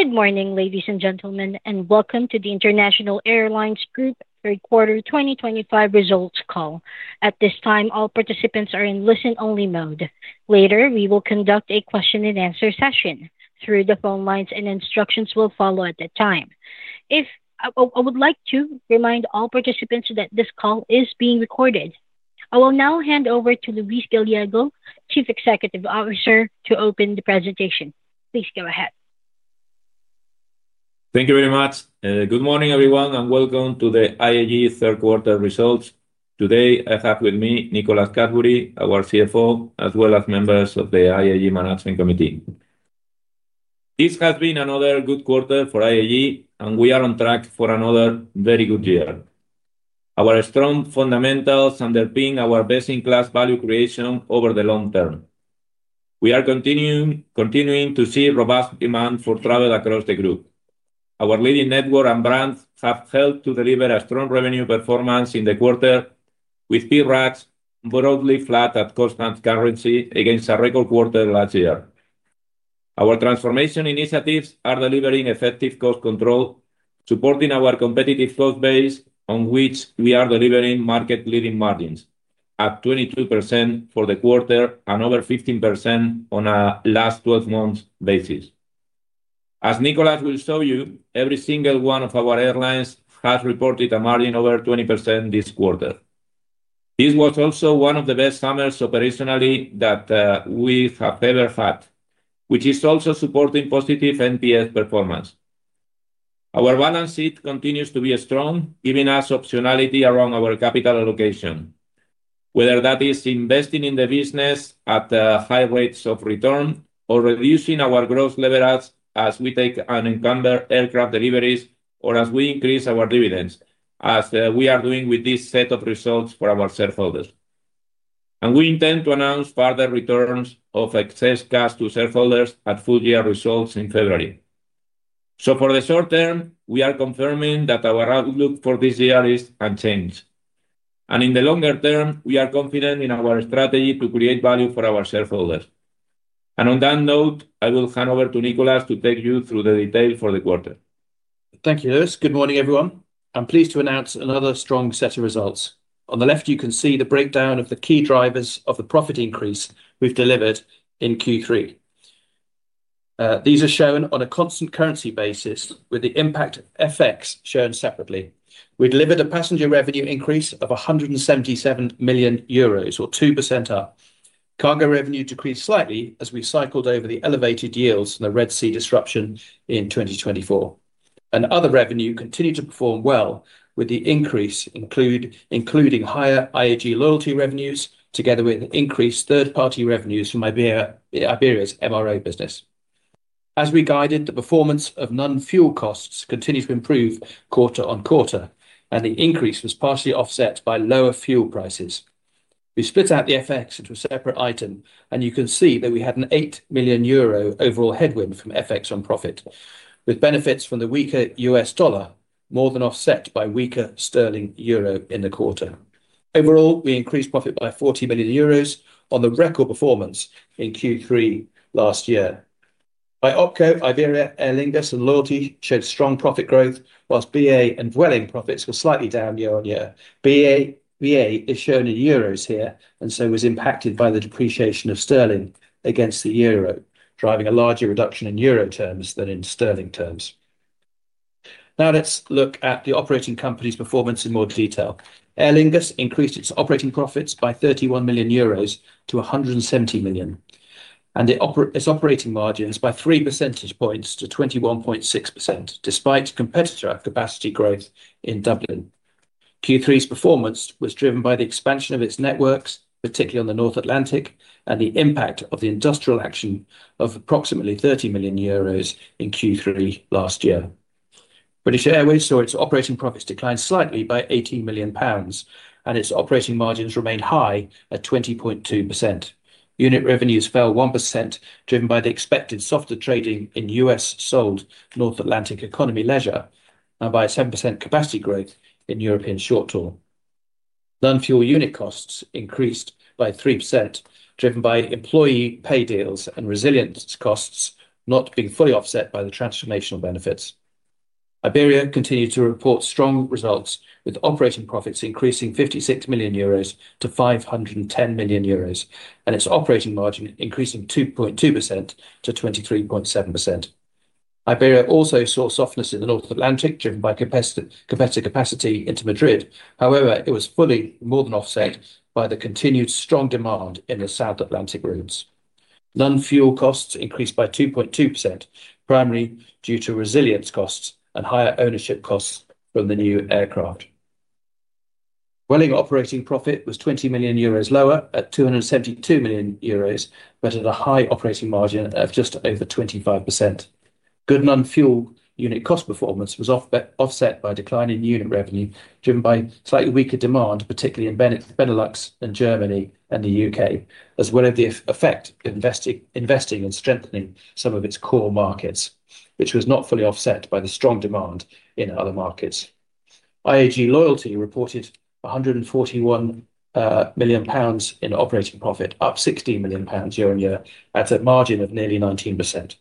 Good morning, ladies and gentlemen, and welcome to the International Airlines Group third quarter 2025 results call. At this time, all participants are in listen-only mode. Later, we will conduct a question-and-answer session. Through-the-phone lines and instructions will follow at that time. I would like to remind all participants that this call is being recorded. I will now hand over to Luis Gallego, Chief Executive Officer, to open the presentation. Please go ahead. Thank you very much. Good morning, everyone, and welcome to the IAG third quarter results. Today, I have with me Nicholas Cadbury, our CFO, as well as members of the IAG Management Committee. This has been another good quarter for IAG, and we are on track for another very good year. Our strong fundamentals underpin our best-in-class value creation over the long term. We are continuing to see robust demand for travel across the group. Our leading network and brands have helped to deliver a strong revenue performance in the quarter, with fee rates broadly flat at constant currency against a record quarter last year. Our transformation initiatives are delivering effective cost control, supporting our competitive cost base, on which we are delivering market-leading margins at 22% for the quarter and over 15% on a last 12-month basis. As Nicholas will show you, every single one of our airlines has reported a margin over 20% this quarter. This was also one of the best summers operationally that we have ever had, which is also supporting positive NPS performance. Our balance sheet continues to be strong, giving us optionality around our capital allocation, whether that is investing in the business at high rates of return or reducing our gross leverage as we take on encounter aircraft deliveries or as we increase our dividends, as we are doing with this set of results for our shareholders. We intend to announce further returns of excess cash to shareholders at full-year results in February. For the short term, we are confirming that our outlook for this year is unchanged. In the longer term, we are confident in our strategy to create value for our shareholders. On that note, I will hand over to Nicholas to take you through the details for the quarter. Thank you, Luis. Good morning, everyone. I'm pleased to announce another strong set of results. On the left, you can see the breakdown of the key drivers of the profit increase we've delivered in Q3. These are shown on a constant currency basis, with the impact FX shown separately. We delivered a passenger revenue increase of 177 million euros, or 2% up. Cargo revenue decreased slightly as we cycled over the elevated yields and the Red Sea disruption in 2024. Other revenue continued to perform well with the increase, including higher IAG Loyalty revenues, together with increased third-party revenues from Iberia's MRO business. As we guided, the performance of non-fuel costs continued to improve quarter on quarter, and the increase was partially offset by lower fuel prices. We split out the effects into a separate item, and you can see that we had an 8 million euro overall headwind from FX on profit, with benefits from the weaker U.S. dollar more than offset by weaker sterling euro in the quarter. Overall, we increased profit by 40 million euros on the record performance in Q3 last year. By OpCo, Iberia, Aer Lingus, and Loyalty showed strong profit growth, whilst BA and Vueling profits were slightly down year on year. BA is shown in euros here, and so was impacted by the depreciation of sterling against the euro, driving a larger reduction in euro terms than in sterling terms. Now, let's look at the operating company's performance in more detail. Aer Lingus increased its operating profits by 31 million euros to 170 million, and its operating margins by 3 percentage points to 21.6%, despite competitor capacity growth in Dublin. Q3's performance was driven by the expansion of its networks, particularly on the North Atlantic, and the impact of the industrial action of approximately 30 million euros in Q3 last year. British Airways saw its operating profits decline slightly by 18 million pounds, and its operating margins remained high at 20.2%. Unit revenues fell 1%, driven by the expected softer trading in U.S. sold North Atlantic economy leisure and by 7% capacity growth in European short-haul. Non-fuel unit costs increased by 3%, driven by employee pay deals and resilience costs not being fully offset by the transformational benefits. Iberia continued to report strong results, with operating profits increasing 56 million euros to 510 million euros, and its operating margin increasing 2.2% to 23.7%. Iberia also saw softness in the North Atlantic, driven by competitor capacity into Madrid. However, it was fully more than offset by the continued strong demand in the South Atlantic routes. Non-fuel costs increased by 2.2%, primarily due to resilience costs and higher ownership costs from the new aircraft. Dwelling operating profit was 20 million euros lower at 272 million euros, but at a high operating margin of just over 25%. Good non-fuel unit cost performance was offset by declining unit revenue, driven by slightly weaker demand, particularly in Benelux and Germany and the U.K., as well as the effect of investing and strengthening some of its core markets, which was not fully offset by the strong demand in other markets. IAG Loyalty reported 141 million pounds in operating profit, up 16 million pounds year on year, at a margin of nearly 19%.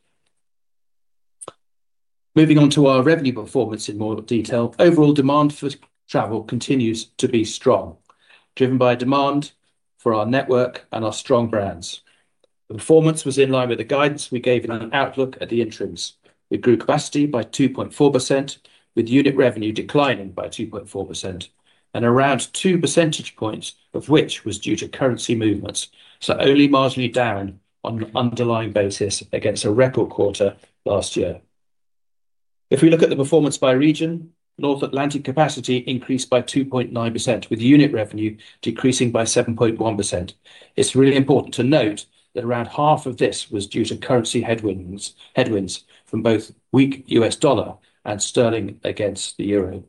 Moving on to our revenue performance in more detail, overall demand for travel continues to be strong, driven by demand for our network and our strong brands. The performance was in line with the guidance we gave in our outlook at the entrance. It grew capacity by 2.4%, with unit revenue declining by 2.4%, and around 2 percentage points of which was due to currency movements, so only marginally down on an underlying basis against a record quarter last year. If we look at the performance by region, North Atlantic capacity increased by 2.9%, with unit revenue decreasing by 7.1%. It's really important to note that around half of this was due to currency headwinds from both weak U.S. dollar and sterling against the euro.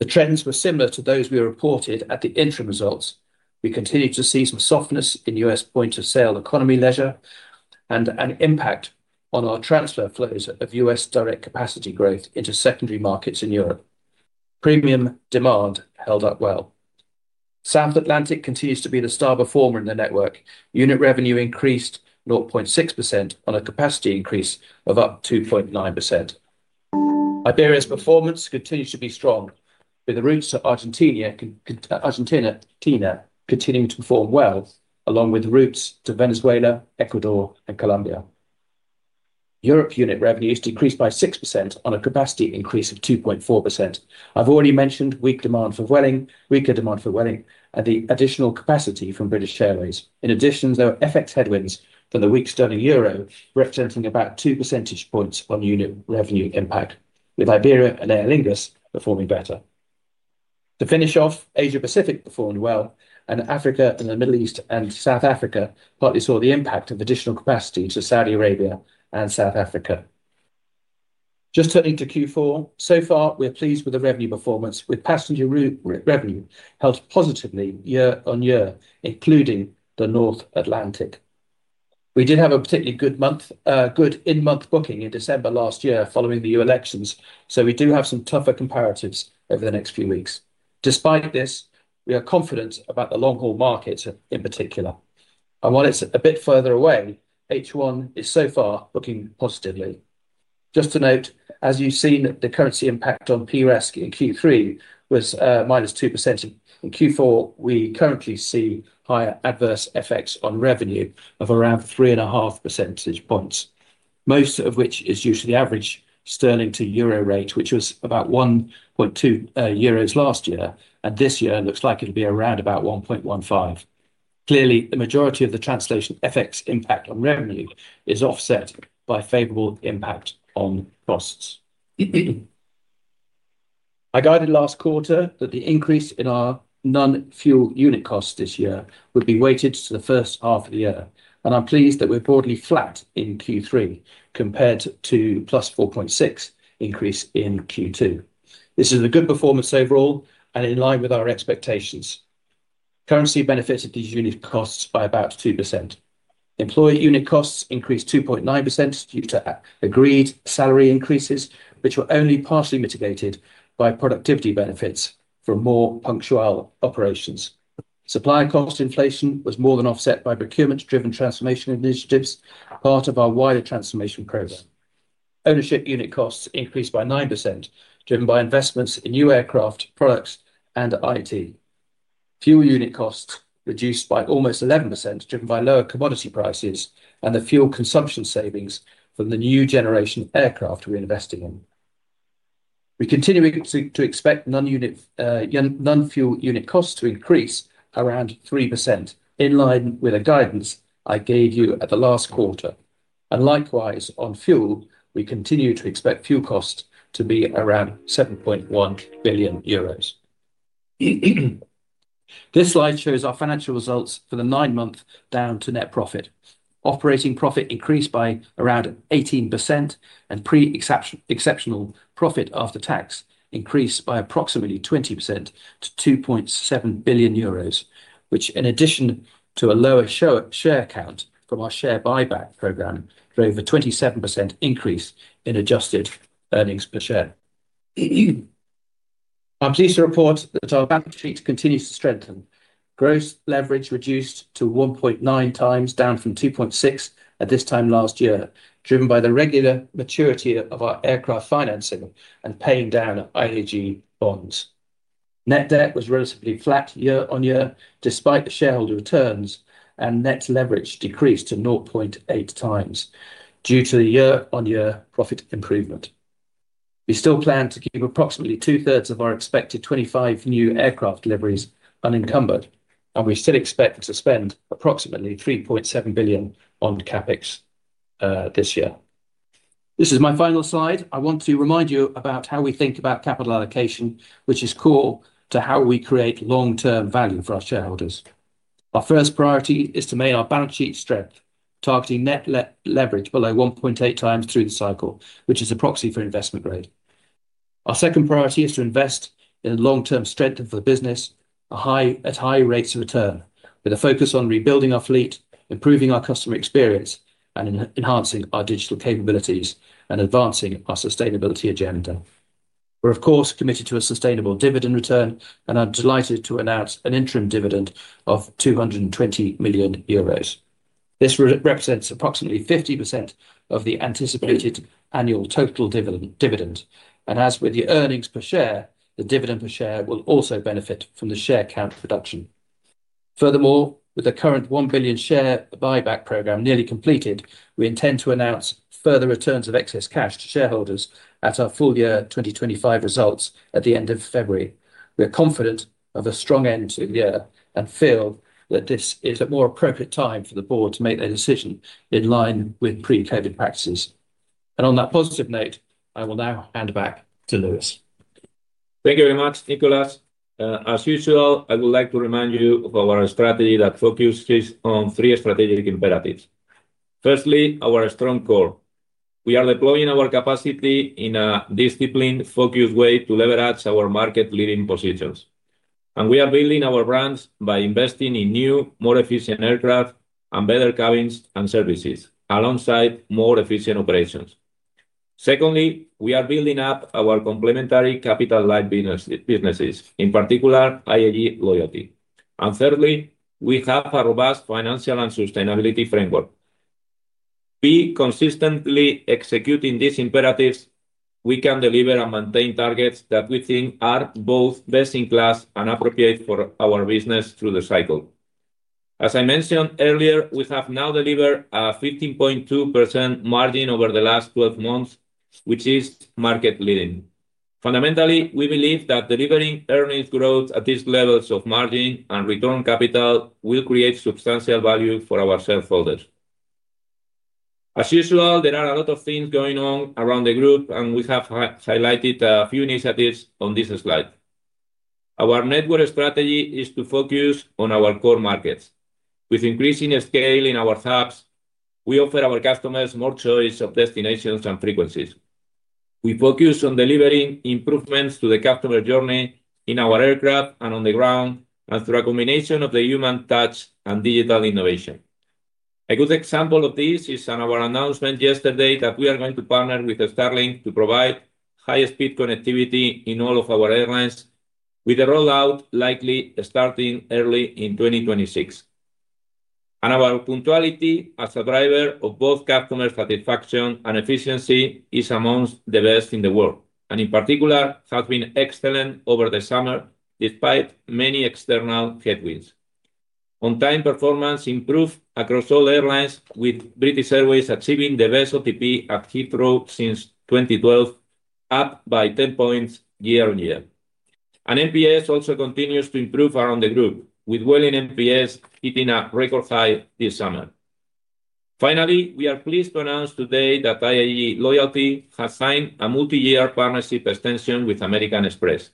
The trends were similar to those we reported at the interim results. We continued to see some softness in U.S. point of sale economy leisure and an impact on our transfer flows of U.S. direct capacity growth into secondary markets in Europe. Premium demand held up well. South Atlantic continues to be the star performer in the network. Unit revenue increased 0.6% on a capacity increase of 2.9%. Iberia's performance continues to be strong, with the routes to Argentina continuing to perform well, along with the routes to Venezuela, Ecuador, and Colombia. Europe unit revenues decreased by 6% on a capacity increase of 2.4%. I've already mentioned weaker demand for Vueling and the additional capacity from British Airways. In addition, there were effects headwinds from the weak sterling-euro, representing about 2 percentage points on unit revenue impact, with Iberia and Aer Lingus performing better. To finish off, Asia-Pacific performed well, and Africa and the Middle East and South Africa partly saw the impact of additional capacity to Saudi Arabia and South Africa. Just turning to Q4, so far, we're pleased with the revenue performance, with passenger revenue held positively year on year, including the North Atlantic. We did have a particularly good in-month booking in December last year following the elections, so we do have some tougher comparatives over the next few weeks. Despite this, we are confident about the long-haul markets in particular. While it's a bit further away, H1 is so far looking positively. Just to note, as you've seen, the currency impact on PRASK in Q3 was -2%. In Q4, we currently see higher adverse effects on revenue of around 3.5 percentage points, most of which is due to the average sterling to euro rate, which was about 1.2 euros last year, and this year looks like it'll be around about 1.15. Clearly, the majority of the translation effects impact on revenue is offset by favorable impact on costs. I guided last quarter that the increase in our non-fuel unit costs this year would be weighted to the first half of the year, and I'm pleased that we're broadly flat in Q3 compared to a +4.6% increase in Q2. This is a good performance overall and in line with our expectations. Currency benefits of these unit costs by about 2%. Employee unit costs increased 2.9% due to agreed salary increases, which were only partially mitigated by productivity benefits for more punctual operations. Supply cost inflation was more than offset by procurement-driven transformation initiatives, part of our wider transformation program. Ownership unit costs increased by 9%, driven by investments in new aircraft products and IT. Fuel unit costs reduced by almost 11%, driven by lower commodity prices and the fuel consumption savings from the new generation aircraft we're investing in. We continue to expect non-fuel unit costs to increase around 3%, in line with the guidance I gave you at the last quarter. Likewise, on fuel, we continue to expect fuel costs to be around 7.1 billion euros. This slide shows our financial results for the nine-month down-to-net profit. Operating profit increased by around 18%, and pre-exceptional profit after tax increased by approximately 20% to 2.7 billion euros, which, in addition to a lower share count from our share buyback program, drove a 27% increase in adjusted earnings per share. I'm pleased to report that our balance sheet continues to strengthen. Gross leverage reduced to 1.9x, down from 2.6x at this time last year, driven by the regular maturity of our aircraft financing and paying down IAG bonds. Net debt was relatively flat year on year, despite the shareholder returns, and net leverage decreased to 0.8x due to the year-on-year profit improvement. We still plan to keep approximately two-thirds of our expected 25 new aircraft deliveries unencumbered, and we still expect to spend 3.7 billion on CapEx this year. This is my final slide. I want to remind you about how we think about capital allocation, which is core to how we create long-term value for our shareholders. Our first priority is to make our balance sheet strength, targeting net leverage below 1.8x through the cycle, which is a proxy for investment grade. Our second priority is to invest in the long-term strength of the business at high rates of return, with a focus on rebuilding our fleet, improving our customer experience, and enhancing our digital capabilities and advancing our sustainability agenda. We're, of course, committed to a sustainable dividend return, and I'm delighted to announce an interim dividend of 220 million euros. This represents approximately 50% of the anticipated annual total dividend. As with the earnings per share, the dividend per share will also benefit from the share count reduction. Furthermore, with the current 1 billion share buyback program nearly completed, we intend to announce further returns of excess cash to shareholders at our full year 2025 results at the end of February. We are confident of a strong end to the year and feel that this is a more appropriate time for the board to make their decision in line with pre-COVID practices. On that positive note, I will now hand back to Luis. Thank you very much, Nicholas. As usual, I would like to remind you of our strategy that focuses on three strategic imperatives. Firstly, our strong core. We are deploying our capacity in a disciplined focused way to leverage our market-leading positions. We are building our brands by investing in new, more efficient aircraft and better cabins and services, alongside more efficient operations. Secondly, we are building up our complementary capital-light businesses, in particular IAG Loyalty. Thirdly, we have a robust financial and sustainability framework. By consistently executing these imperatives, we can deliver and maintain targets that we think are both best in class and appropriate for our business through the cycle. As I mentioned earlier, we have now delivered a 15.2% margin over the last 12 months, which is market-leading. Fundamentally, we believe that delivering earnings growth at these levels of margin and return capital will create substantial value for our shareholders. As usual, there are a lot of things going on around the group, and we have highlighted a few initiatives on this slide. Our network strategy is to focus on our core markets. With increasing scale in our hubs, we offer our customers more choice of destinations and frequencies. We focus on delivering improvements to the customer journey in our aircraft and on the ground, and through a combination of the human touch and digital innovation. A good example of this is our announcement yesterday that we are going to partner with Starlink to provide high-speed connectivity in all of our airlines, with the rollout likely starting early in 2026. Our punctuality, as a driver of both customer satisfaction and efficiency, is amongst the best in the world, and in particular, has been excellent over the summer despite many external headwinds. On-time performance improved across all airlines, with British Airways achieving the best OTP at Heathrow since 2012, up by 10 points year on year. NPS also continues to improve around the group, with dwelling NPS hitting a record high this summer. Finally, we are pleased to announce today that IAG Loyalty has signed a multi-year partnership extension with American Express.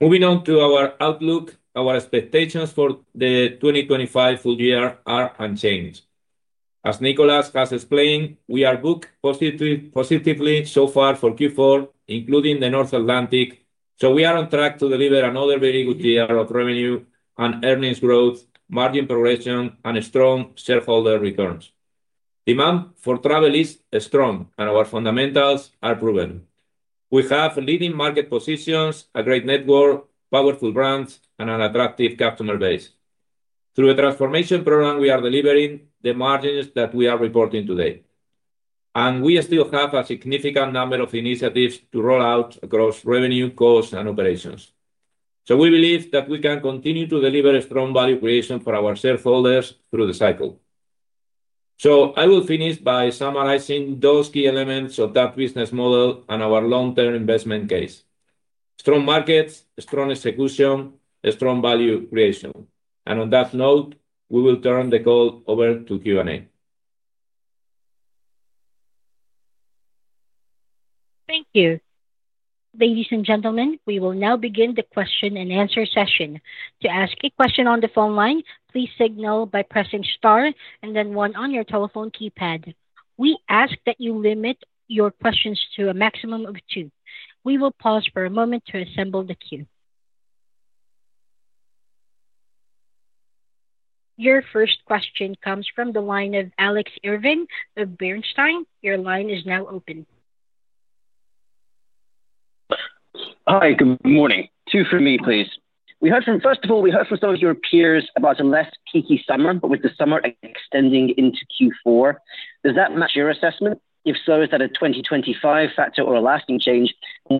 Moving on to our outlook, our expectations for the 2025 full year are unchanged. As Nicholas has explained, we are booked positively so far for Q4, including the North Atlantic, so we are on track to deliver another very good year of revenue and earnings growth, margin progression, and strong shareholder returns. Demand for travel is strong, and our fundamentals are proven. We have leading market positions, a great network, powerful brands, and an attractive customer base. Through a transformation program, we are delivering the margins that we are reporting today. We still have a significant number of initiatives to roll out across revenue, costs, and operations. We believe that we can continue to deliver strong value creation for our shareholders through the cycle. I will finish by summarizing those key elements of that business model and our long-term investment case: strong markets, strong execution, strong value creation. On that note, we will turn the call over to Q&A. Thank you. Ladies and gentlemen, we will now begin the question and answer session. To ask a question on the phone line, please signal by pressing star and then one on your telephone keypad. We ask that you limit your questions to a maximum of two. We will pause for a moment to assemble the queue. Your first question comes from the line of Alex Irving of Bernstein. Your line is now open. Hi, good morning. Two from me, please. First of all, we heard from some of your peers about a less peaky summer, but with the summer extending into Q4. Does that match your assessment? If so, is that a 2025 factor or a lasting change?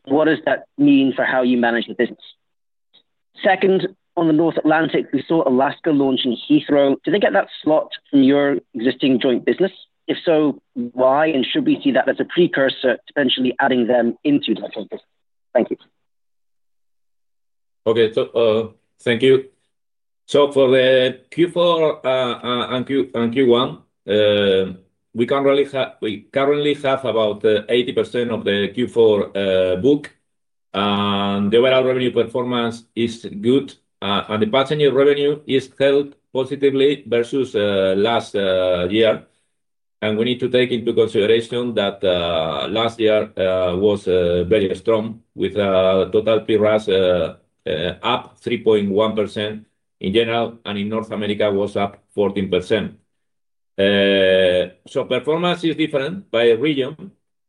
What does that mean for how you manage the business? Second, on the North Atlantic, we saw Alaska launching Heathrow. Did they get that slot from your existing joint business? If so, why? Should we see that as a precursor to potentially adding them into that focus? Thank you. Okay, thank you. For the Q4 and Q1, we currently have about 80% of the Q4 book, and the overall revenue performance is good. The passenger revenue is held positively versus last year. We need to take into consideration that last year was very strong, with total PRASK up 3.1% in general, and in North America, it was up 14%. Performance is different by region.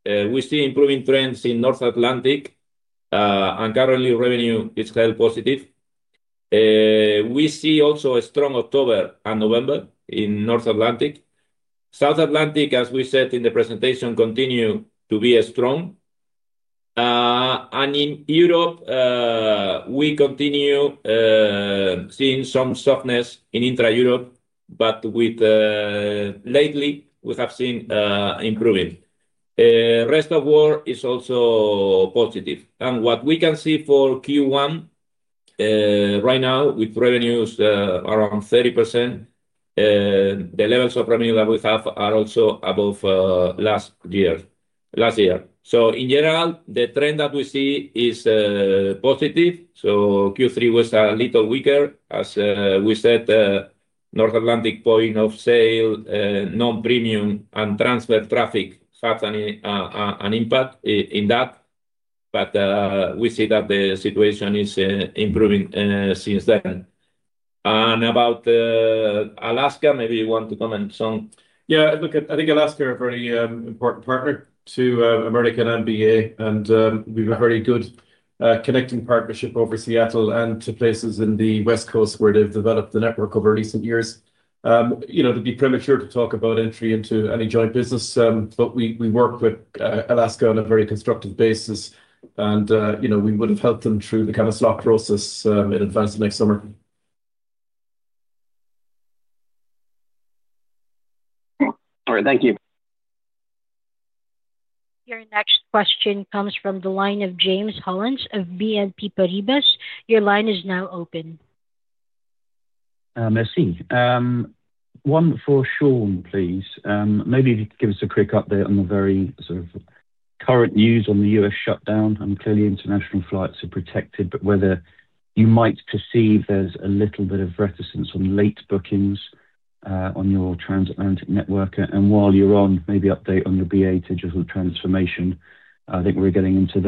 We see improving trends in North Atlantic, and currently, revenue is held positive. We see also a strong October and November in North Atlantic. South Atlantic, as we said in the presentation, continues to be strong. In Europe, we continue seeing some softness in intra-Europe, but lately, we have seen improvement. The rest of the world is also positive. What we can see for Q1 right now, with revenues around 30%, the levels of revenue that we have are also above last year. In general, the trend that we see is positive. Q3 was a little weaker, as we said, North Atlantic point of sale, non-premium, and transfer traffic had an impact in that. We see that the situation is improving since then. About Alaska, maybe you want to comment on? Yeah, I think Alaska is a very important partner to American and BA, and we have a very good connecting partnership over Seattle and to places in the West Coast where they've developed the network over recent years. You know, it'd be premature to talk about entry into any joint business, but we work with Alaska on a very constructive basis, and we would have helped them through the kind of slot process in advance of next summer. All right, thank you. Your next question comes from the line of James Hollins of BNP Paribas. Your line is now open. Merci. One for Sean, please. Maybe if you could give us a quick update on the very sort of current news on the U.S. shutdown. Clearly, international flights are protected, but whether you might perceive there's a little bit of reticence on late bookings on your transatlantic network. While you're on, maybe update on the BA digital transformation. I think we're getting into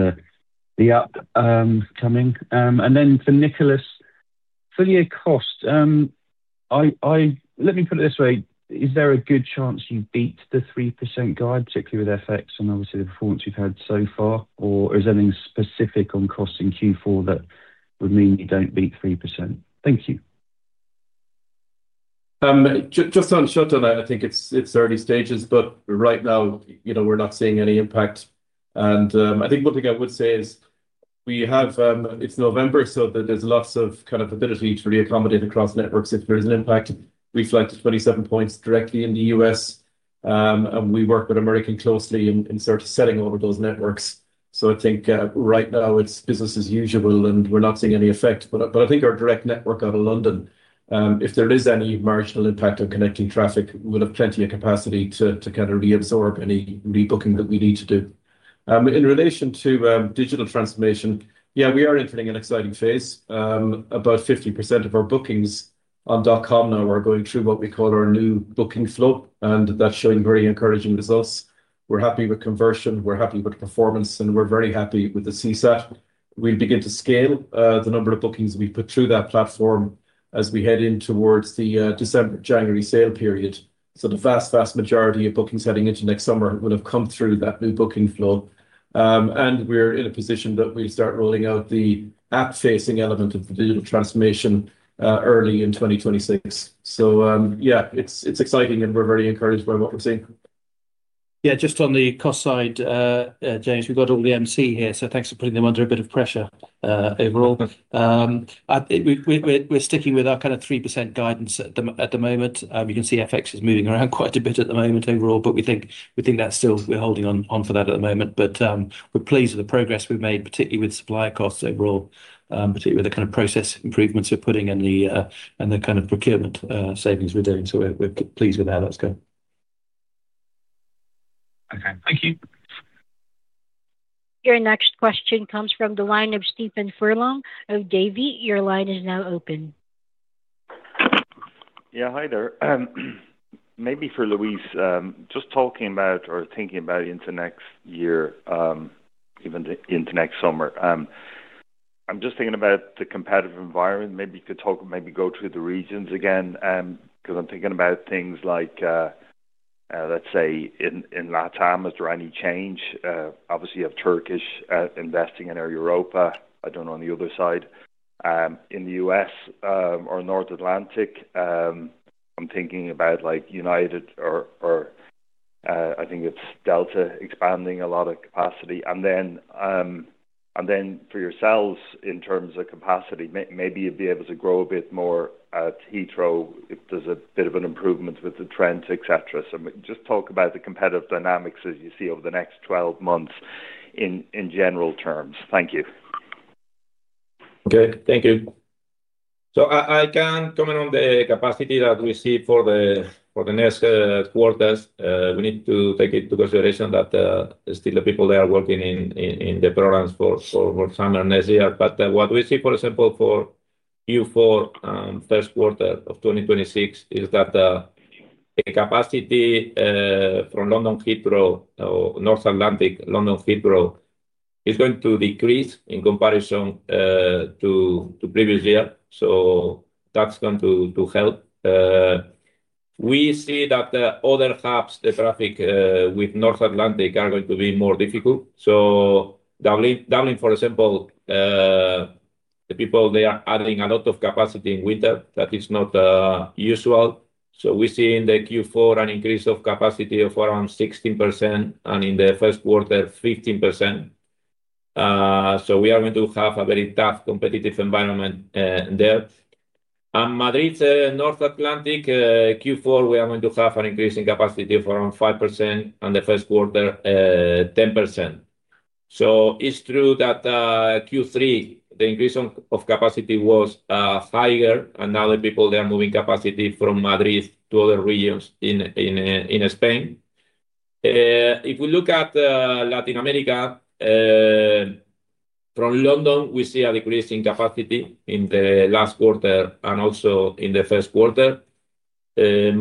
the upcoming. For Nicholas, fully a cost. Let me put it this way. Is there a good chance you beat the 3% guide, particularly with FX and obviously the performance you've had so far? Is there anything specific on costs in Q4 that would mean you don't beat 3%? Thank you. Just on short term, I think it's early stages, but right now, we're not seeing any impact. I think one thing I would say is we have, it's November, so there's lots of kind of ability to reaccommodate across networks if there is an impact. We fly to 27 points directly in the U.S., and we work with American closely in sort of setting over those networks. I think right now it's business as usual, and we're not seeing any effect. I think our direct network out of London, if there is any marginal impact on connecting traffic, we'll have plenty of capacity to kind of reabsorb any rebooking that we need to do. In relation to digital transformation, yeah, we are entering an exciting phase. About 50% of our bookings on dot com now are going through what we call our new booking flow, and that's showing very encouraging results. We're happy with conversion. We're happy with performance, and we're very happy with the CSAT. We'll begin to scale the number of bookings we put through that platform as we head in towards the December-January sale period. The vast, vast majority of bookings heading into next summer will have come through that new booking flow. We're in a position that we'll start rolling out the app-facing element of the digital transformation early in 2026. Yeah, it's exciting, and we're very encouraged by what we're seeing. Yeah, just on the cost side, James, we've got all the MC here, so thanks for putting them under a bit of pressure overall. We're sticking with our kind of 3% guidance at the moment. You can see FX is moving around quite a bit at the moment overall, but we think that's still we're holding on for that at the moment. We're pleased with the progress we've made, particularly with supplier costs overall, particularly with the kind of process improvements we're putting and the kind of procurement savings we're doing. We're pleased with how that's gone. Okay, thank you. Your next question comes from the line of Stephen Furlong of Davy. Your line is now open. Yeah, hi there. Maybe for Luis, just talking about or thinking about into next year, even into next summer, I'm just thinking about the competitive environment. Maybe you could talk, maybe go through the regions again, because I'm thinking about things like, let's say, in LATAM, is there any change? Obviously, you have Turkish investing in Air Europa. I don't know on the other side. In the U.S. or North Atlantic, I'm thinking about United, or I think it's Delta expanding a lot of capacity. For yourselves, in terms of capacity, maybe you'd be able to grow a bit more at Heathrow if there's a bit of an improvement with the trends, etc. Just talk about the competitive dynamics as you see over the next 12 months in general terms. Thank you. Okay, thank you. I can comment on the capacity that we see for the next quarters. We need to take into consideration that still the people there are working in the programs for summer next year. What we see, for example, for Q4 and first quarter of 2026 is that the capacity from London Heathrow or North Atlantic London Heathrow is going to decrease in comparison to the previous year. That is going to help. We see that other hubs, the traffic with North Atlantic are going to be more difficult. Dublin, for example, the people, they are adding a lot of capacity in winter. That is not usual. We see in Q4 an increase of capacity of around 16% and in the first quarter, 15%. We are going to have a very tough competitive environment there. Madrid, North Atlantic, Q4, we are going to have an increase in capacity of around 5% and the first quarter, 10%. It is true that Q3, the increase of capacity was higher, and now the people, they are moving capacity from Madrid to other regions in Spain. If we look at Latin America, from London, we see a decrease in capacity in the last quarter and also in the first quarter.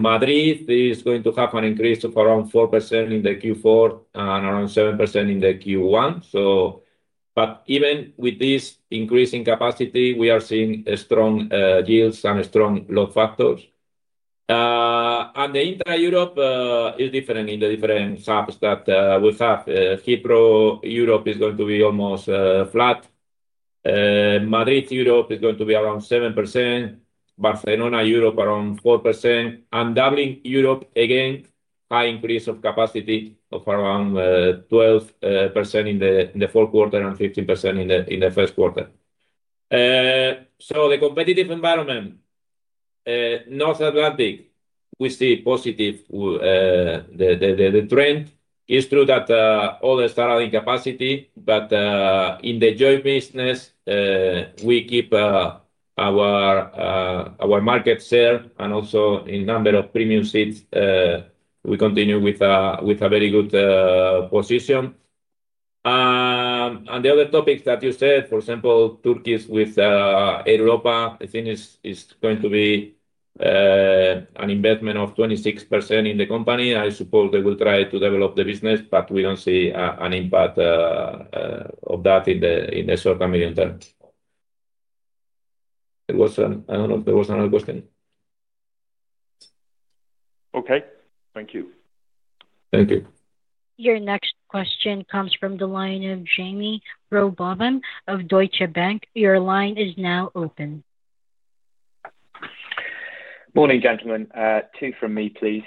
Madrid is going to have an increase of around 4% in the Q4 and around 7% in the Q1. Even with this increase in capacity, we are seeing strong yields and strong load factors. The intra-Europe is different in the different hubs that we have. Heathrow Europe is going to be almost flat. Madrid Europe is going to be around 7%. Barcelona Europe, around 4%. Dublin Europe, again, high increase of capacity of around 12% in the fourth quarter and 15% in the first quarter. The competitive environment, North Atlantic, we see positive trend. It's true that all the starting capacity, but in the joint business, we keep our market share and also in number of premium seats, we continue with a very good position. The other topics that you said, for example, Turkey with Europa, I think it's going to be an investment of 26% in the company. I suppose they will try to develop the business, but we don't see an impact of that in the short-term medium term. I don't know if there was another question. Okay, thank you. Thank you. Your next question comes from the line of Jaime Rowbotham of Deutsche Bank. Your line is now open. Morning, gentlemen. Two from me, please.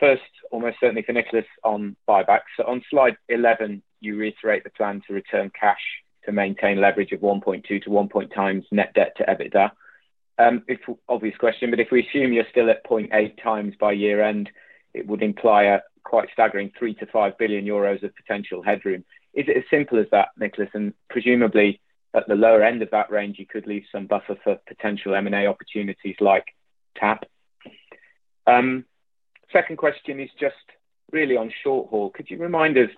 First, almost certainly for Nicholas on buybacks. On slide 11, you reiterate the plan to return cash to maintain leverage of 1.2x-1x times net debt to EBITDA. Obvious question, but if we assume you're still at 0.8x by year-end, it would imply a quite staggering 3 billion-5 billion euros of potential headroom. Is it as simple as that, Nicholas? Presumably, at the lower end of that range, you could leave some buffer for potential M&A opportunities like TAP. Second question is just really on short haul. Could you remind us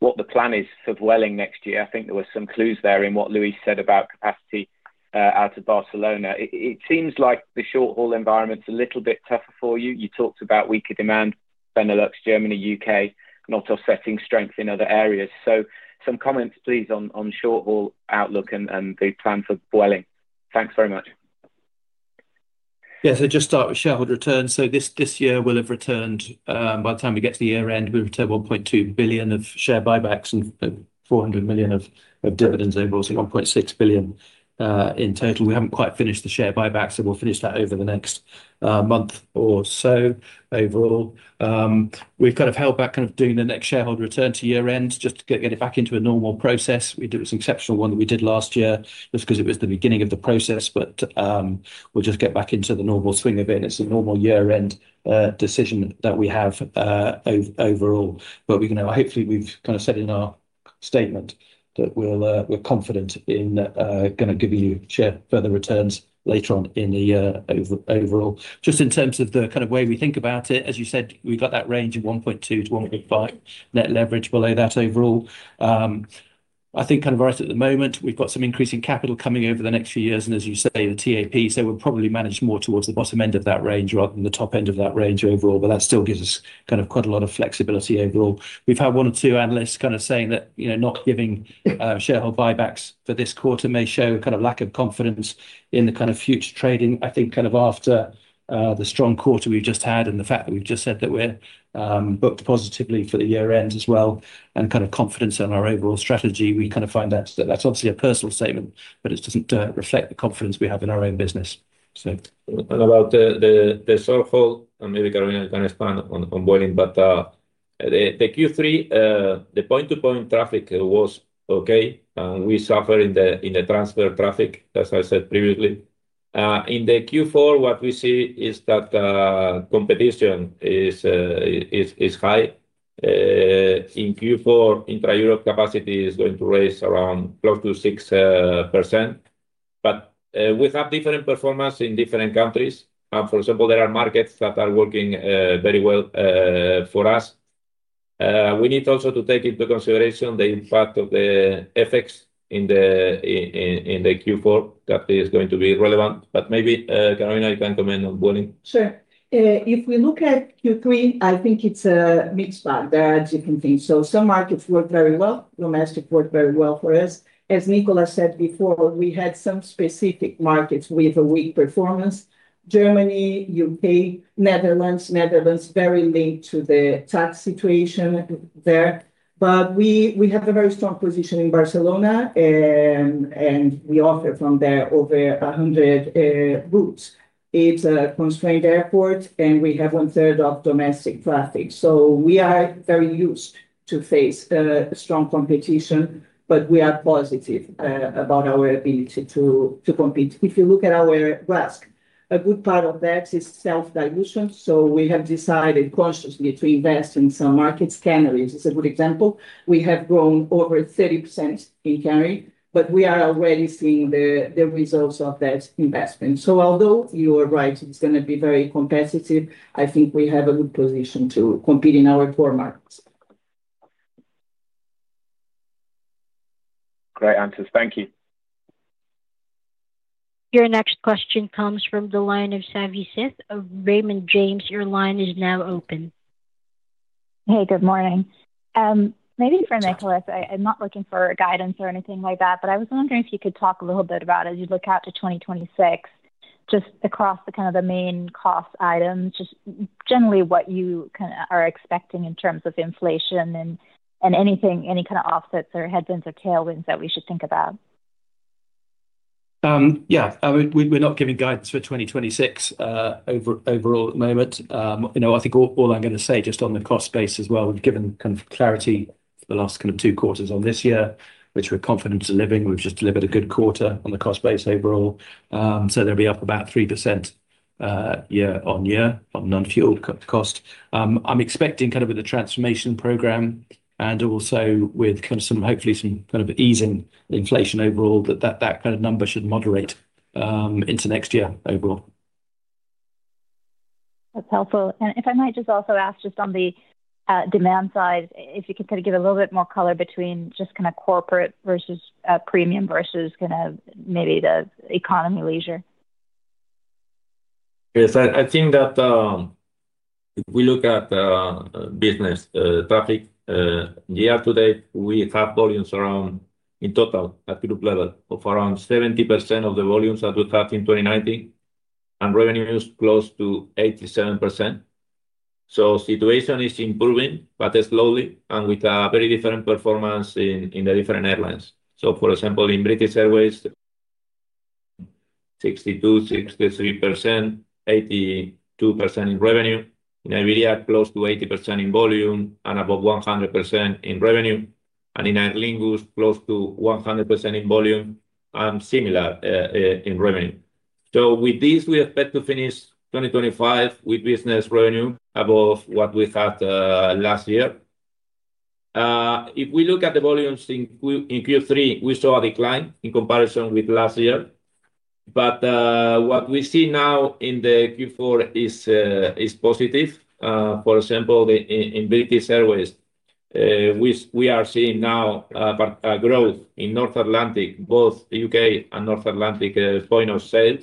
what the plan is for Vueling next year? I think there were some clues there in what Luis said about capacity out of Barcelona. It seems like the short haul environment's a little bit tougher for you. You talked about weaker demand, Benelux, Germany, U.K., not offsetting strength in other areas. Some comments, please, on short haul outlook and the plan for Vueling. Thanks very much. Yeah, so just start with shareholder returns. This year, we'll have returned, by the time we get to the year-end, 1.2 billion of share buybacks and 400 million of dividends overall, so 1.6 billion in total. We haven't quite finished the share buybacks, and we'll finish that over the next month or so overall. We've kind of held back doing the next shareholder return to year-end just to get it back into a normal process. We did an exceptional one that we did last year just because it was the beginning of the process, but we'll just get back into the normal swing of it. It's a normal year-end decision that we have overall. Hopefully, we've kind of said in our statement that we're confident in going to give you further share returns later on in the year overall. Just in terms of the kind of way we think about it, as you said, we've got that range of 1.2x-1.5x net leverage below that overall. I think kind of right at the moment, we've got some increasing capital coming over the next few years, and as you say, the TAP. We will probably manage more towards the bottom end of that range rather than the top end of that range overall, but that still gives us kind of quite a lot of flexibility overall. We've had one or two analysts kind of saying that not giving shareholder buybacks for this quarter may show a kind of lack of confidence in the kind of future trading. I think kind of after the strong quarter we've just had and the fact that we've just said that we're booked positively for the year-end as well and kind of confidence in our overall strategy, we kind of find that that's obviously a personal statement, but it doesn't reflect the confidence we have in our own business. About the short haul, maybe Carolina can expand on Vueling, but the Q3, the point-to-point traffic was okay, and we suffered in the transfer traffic, as I said previously. In the Q4, what we see is that competition is high. In Q4, intra-Europe capacity is going to raise around close to 6%. We have different performance in different countries. For example, there are markets that are working very well for us. We need also to take into consideration the impact of the FX in the Q4 that is going to be relevant. Maybe Carolina, you can comment on Vueling. Sure. If we look at Q3, I think it's a mixed bag, there are different things. Some markets worked very well. Domestic worked very well for us. As Nicholas said before, we had some specific markets with a weak performance: Germany, U.K., Netherlands. Netherlands very linked to the tax situation there. We have a very strong position in Barcelona, and we offer from there over 100 routes. It's a constrained airport, and we have one-third of domestic traffic. We are very used to face strong competition, but we are positive about our ability to compete. If you look at our RASK, a good part of that is self-dilution. We have decided consciously to invest in some markets. Canary is a good example. We have grown over 30% in Canary, but we are already seeing the results of that investment. Although you are right, it's going to be very competitive, I think we have a good position to compete in our core markets. Great answers. Thank you. Your next question comes from the line of Savi Syth of Raymond James. Your line is now open. Hey, good morning. Maybe for Nicholas, I'm not looking for guidance or anything like that, but I was wondering if you could talk a little bit about as you look out to 2026, just across the kind of the main cost items, just generally what you are expecting in terms of inflation and any kind of offsets or headwinds or tailwinds that we should think about. Yeah, we're not giving guidance for 2026 overall at the moment. I think all I'm going to say just on the cost base as well, we've given kind of clarity for the last kind of two quarters on this year, which we're confident delivering. We've just delivered a good quarter on the cost base overall. So they'll be up about 3% year-on-year on non-fuel cost. I'm expecting kind of with the transformation program and also with kind of hopefully some kind of easing inflation overall, that that kind of number should moderate into next year overall. That's helpful. If I might just also ask just on the demand side, if you could kind of give a little bit more color between just kind of corporate versus premium versus kind of maybe the economy leisure. Yes, I think that if we look at business traffic year-to-date, we have volumes around in total at group level of around 70% of the volumes that we had in 2019 and revenues close to 87%. The situation is improving, but slowly, and with a very different performance in the different airlines. For example, in British Airways, 62%-63%, 82% in revenue. In Iberia, close to 80% in volume and above 100% in revenue. In Aer Lingus, close to 100% in volume and similar in revenue. With this, we expect to finish 2025 with business revenue above what we had last year. If we look at the volumes in Q3, we saw a decline in comparison with last year. What we see now in Q4 is positive. For example, in British Airways, we are seeing now a growth in North Atlantic, both U.K. and North Atlantic point of sale.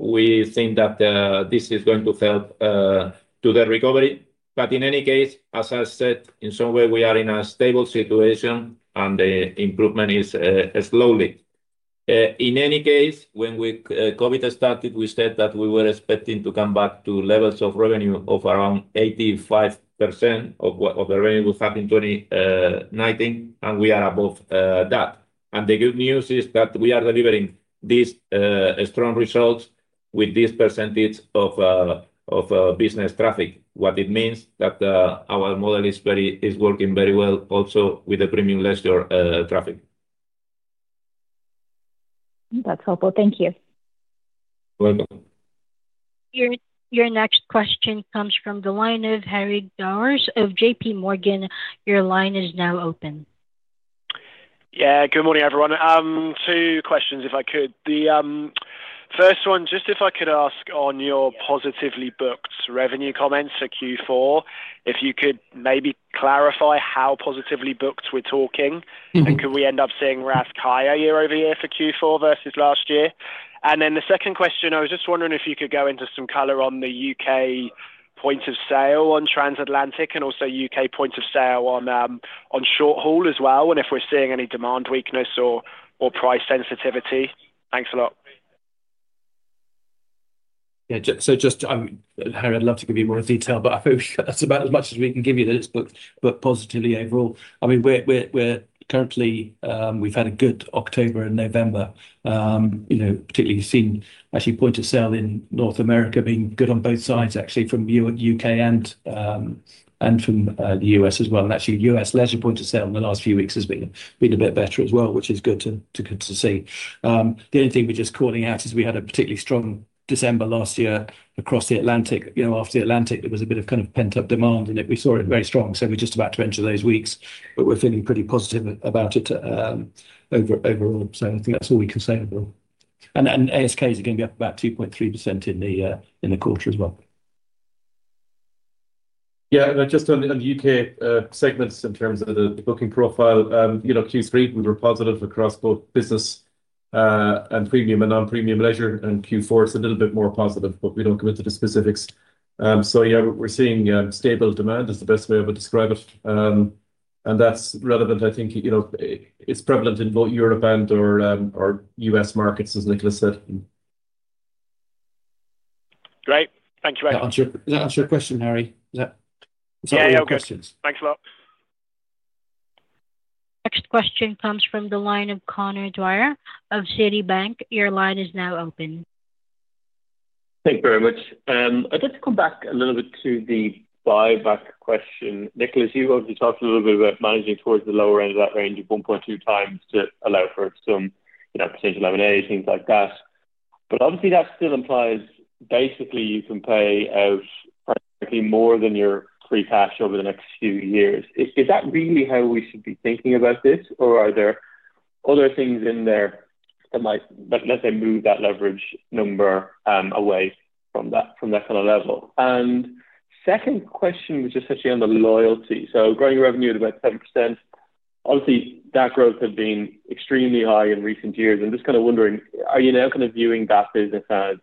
We think that this is going to help to the recovery. In any case, as I said, in some way, we are in a stable situation and the improvement is slowly. In any case, when COVID started, we said that we were expecting to come back to levels of revenue of around 85% of the revenue we had in 2019, and we are above that. The good news is that we are delivering these strong results with this percentage of business traffic, what it means that our model is working very well also with the premium leisure traffic. That's helpful. Thank you. Welcome. Your next question comes from the line of Harry Gowers of JPMorgan. Your line is now open. Yeah, good morning, everyone. Two questions, if I could. The first one, just if I could ask on your positively booked revenue comments for Q4, if you could maybe clarify how positively booked we're talking and could we end up seeing RASK higher year-over-year for Q4 versus last year? The second question, I was just wondering if you could go into some color on the U.K. point of sale on Transatlantic and also U.K. point of sale on short haul as well, and if we're seeing any demand weakness or price sensitivity. Thanks a lot. Yeah, just, Harry, I'd love to give you more detail, but I think that's about as much as we can give you that it's booked positively overall. I mean, we're currently, we've had a good October and November, particularly seeing actually point of sale in North America being good on both sides, actually, from U.K. and from the U.S. as well. Actually, U.S. leisure point of sale in the last few weeks has been a bit better as well, which is good to see. The only thing we're just calling out is we had a particularly strong December last year across the Atlantic. After the Atlantic, there was a bit of kind of pent-up demand, and we saw it very strong. We're just about to enter those weeks, but we're feeling pretty positive about it overall. I think that's all we can say overall. ASK is going to be up about 2.3% in the quarter as well. Yeah, just on the U.K. segments in terms of the booking profile, Q3, we were positive across both business and premium and non-premium leisure. Q4, it's a little bit more positive, but we do not go into the specifics. Yeah, we are seeing stable demand is the best way I would describe it. That is relevant, I think. It is prevalent in both Europe and/or U.S. markets, as Nicholas said. Great. Thank you very much. Does that answer your question, Harry? Does that? Yeah, yeah, of course. Thanks a lot. Next question comes from the line of Conor Dwyer of Citibank. Your line is now open. Thank you very much. I'd like to come back a little bit to the buyback question. Nicholas, you obviously talked a little bit about managing towards the lower end of that range of 1.2x to allow for some potential lamination, things like that. That still implies basically you can pay out practically more than your free cash over the next few years. Is that really how we should be thinking about this, or are there other things in there that might, let's say, move that leverage number away from that kind of level? Second question was just actually on the Loyalty. Growing revenue at about 7%, that growth has been extremely high in recent years. I'm just kind of wondering, are you now kind of viewing that business as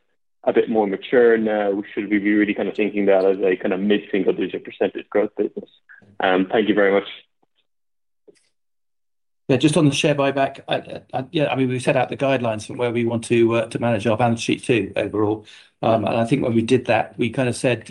a bit more mature now? Should we be really kind of thinking that as a kind of mid-single-digit % growth business? Thank you very much. Yeah, just on the share buyback, yeah, I mean, we've set out the guidelines for where we want to manage our balance sheet to overall. I think when we did that, we kind of said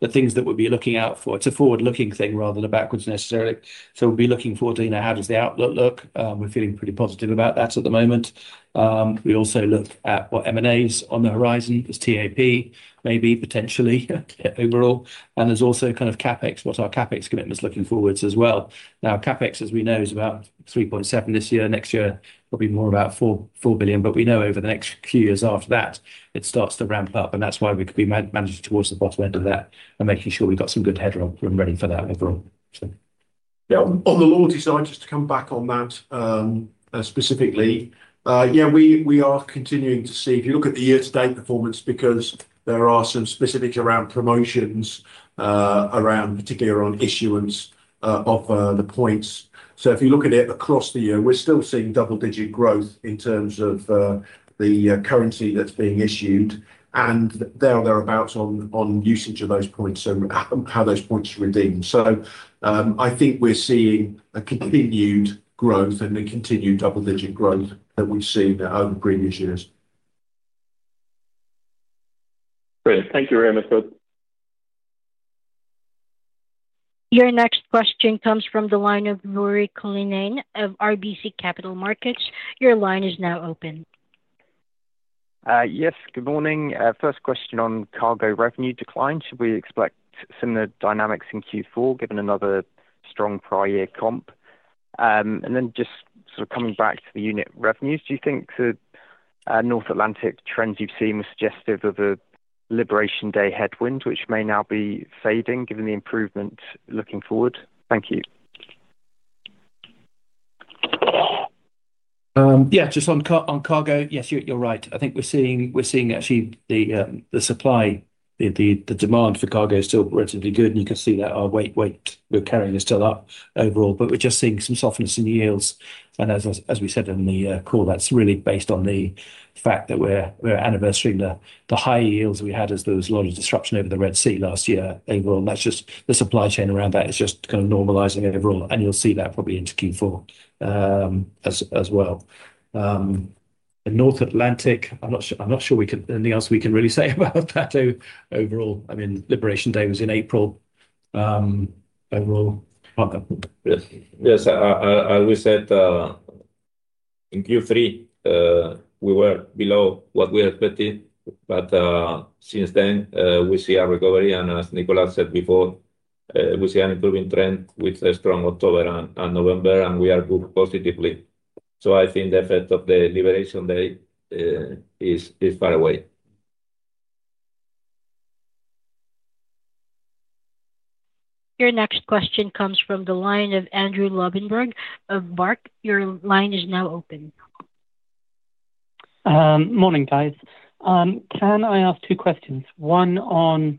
the things that we'd be looking out for, it's a forward-looking thing rather than a backwards necessarily. We'll be looking forward to how does the outlook look. We're feeling pretty positive about that at the moment. We also look at what M&A is on the horizon. There's TAP, maybe potentially overall. There's also kind of CapEx, what our CapEx commitment's looking forward to as well. Now, CapEx, as we know, is about 3.7 billion this year. Next year, probably more about 4 billion. We know over the next few years after that, it starts to ramp up. That's why we could be managing towards the bottom end of that and making sure we've got some good headroom and ready for that overall. Yeah, on the Loyalty side, just to come back on that specifically, yeah, we are continuing to see, if you look at the year-to-date performance, because there are some specifics around promotions, particularly around issuance of the points. If you look at it across the year, we're still seeing double-digit growth in terms of the currency that's being issued and there or thereabouts on usage of those points and how those points are redeemed. I think we're seeing a continued growth and a continued double-digit growth that we've seen over previous years. Great. Thank you very much, both. Your next question comes from the line of Ruairi Cullinane of RBC Capital Markets. Your line is now open. Yes, good morning. First question on cargo revenue declines. We expect similar dynamics in Q4 given another strong prior year comp. Just sort of coming back to the unit revenues, do you think the North Atlantic trends you've seen were suggestive of a liberation day headwind, which may now be fading given the improvement looking forward? Thank you. Yeah, just on cargo, yes, you're right. I think we're seeing actually the supply, the demand for cargo is still relatively good. You can see that our weight we're carrying is still up overall, but we're just seeing some softness in yields. As we said in the call, that's really based on the fact that we're anniversarying the high yields we had as there was a lot of disruption over the Red Sea last year overall. That's just the supply chain around that is just kind of normalizing overall. You'll see that probably into Q4 as well. The North Atlantic, I'm not sure we can, anything else we can really say about that overall. I mean, liberation day was in April overall. Yes, I will say in Q3, we were below what we expected. Since then, we see a recovery. As Nicholas said before, we see an improving trend with a strong October and November, and we are booked positively. I think the effect of the Liberation Day is far away. Your next question comes from the line of Andrew Lobbenberg of Barclays. Your line is now open. Morning, guys. Can I ask two questions? One on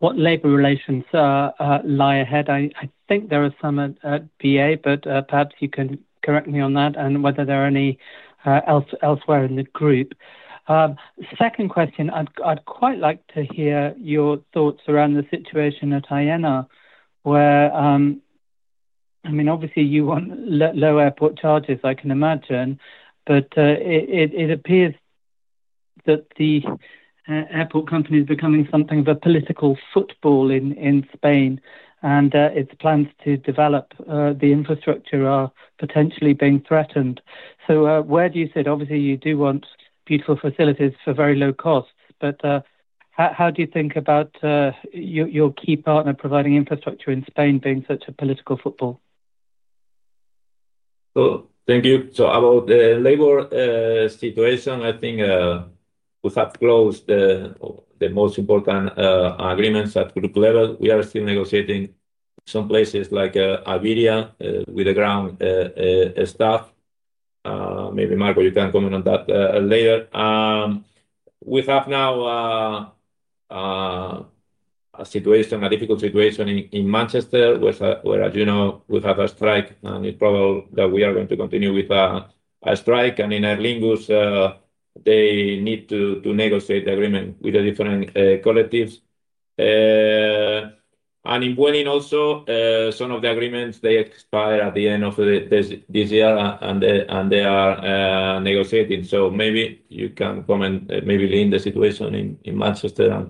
what labor relations lie ahead. I think there are some at BA, but perhaps you can correct me on that and whether there are any elsewhere in the group. Second question, I'd quite like to hear your thoughts around the situation at Aena, where I mean, obviously, you want low airport charges, I can imagine, but it appears that the airport company is becoming something of a political football in Spain, and its plans to develop the infrastructure are potentially being threatened. Where do you sit? Obviously, you do want beautiful facilities for very low costs, but how do you think about your key partner providing infrastructure in Spain being such a political football? Thank you. About the labor situation, I think we have closed the most important agreements at group level. We are still negotiating with some places like Iberia with the ground staff. Maybe Marco, you can comment on that later. We have now a situation, a difficult situation in Manchester, where, as you know, we have a strike, and it's probable that we are going to continue with a strike. In Aer Lingus, they need to negotiate the agreement with the different collectives. In Vueling also, some of the agreements expire at the end of this year, and they are negotiating. Maybe you can comment, maybe lean the situation in Manchester.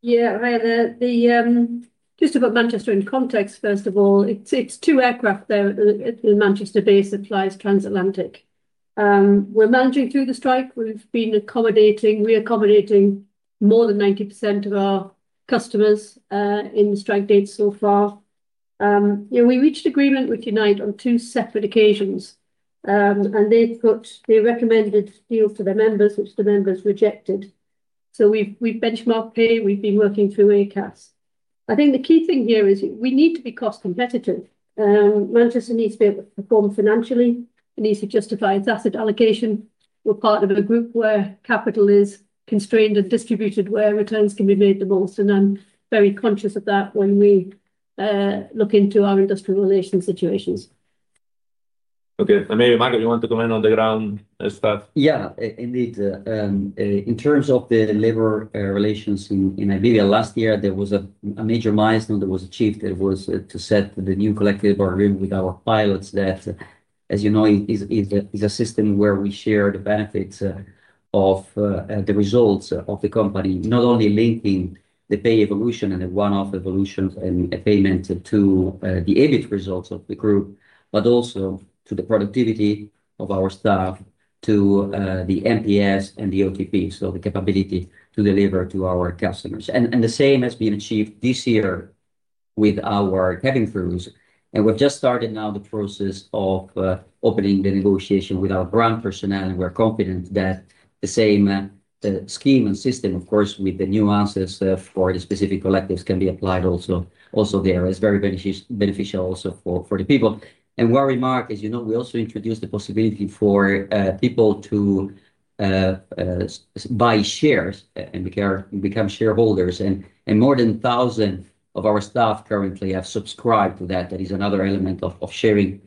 Yeah, just about Manchester in context, first of all, it's two aircraft there at the Manchester-based supplies, Transatlantic. We're managing through the strike. We've been accommodating, reaccommodating more than 90% of our customers in the strike date so far. We reached agreement with Unite on two separate occasions, and they recommended deals to their members, which the members rejected. We've benchmarked pay. We've been working through ACAS. I think the key thing here is we need to be cost competitive. Manchester needs to be able to perform financially. It needs to justify its asset allocation. We're part of a group where capital is constrained and distributed where returns can be made the most. I'm very conscious of that when we look into our industrial relations situations. Okay. Maybe, Marco, do you want to comment on the ground stuff? Yeah, indeed. In terms of the labor relations in Iberia, last year, there was a major milestone that was achieved. It was to set the new collective agreement with our pilots that, as you know, is a system where we share the benefits of the results of the company, not only linking the pay evolution and the one-off evolutions and payment to the EBIT results of the group, but also to the productivity of our staff, to the NPS and the OTP, so the capability to deliver to our customers. The same has been achieved this year with our cabin crews. We've just started now the process of opening the negotiation with our ground personnel. We're confident that the same scheme and system, of course, with the nuances for the specific collectives, can be applied also there. It's very beneficial also for the people. Where we mark, as you know, we also introduced the possibility for people to buy shares and become shareholders. More than 1,000 of our staff currently have subscribed to that. That is another element of sharing